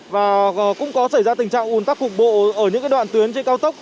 và cũng có xảy ra tình trạng ủn tắc cục bộ ở những đoạn tuyến trên cao tốc